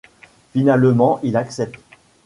Finalement il accepte.